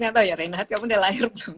gak tahu ya renat kamu udah lahir belum